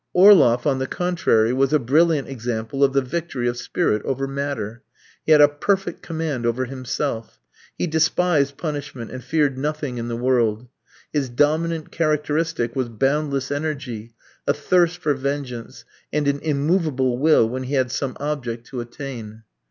Orloff, on the contrary, was a brilliant example of the victory of spirit over matter. He had a perfect command over himself. He despised punishment, and feared nothing in the world. His dominant characteristic was boundless energy, a thirst for vengeance, and an immovable will when he had some object to attain.